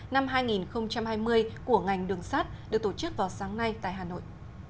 năm hai nghìn hai mươi của ngành đường sắt được tổ chức vào sáng nay tại hà nội